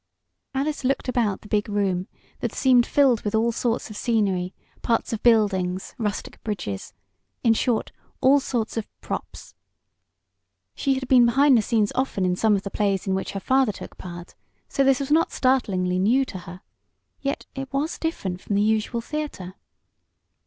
Alice looked about the big room, that seemed filled with all sorts of scenery, parts of buildings, rustic bridges in short, all sorts of "props." She had been behind the scenes often in some of the plays in which her father took part, so this was not startlingly new to her. Yet it was different from the usual theatre.